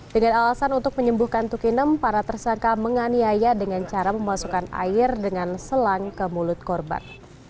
dengan alasan untuk menyembuhkan tukinem para tersangka menganiaya dengan cara memasukkan air dengan selang ke mulut korban